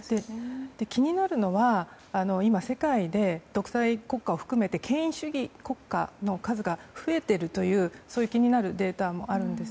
気になるのは今、世界で独裁国家を含めて権威主義国家の数が増えているという気になるデータもあるんです。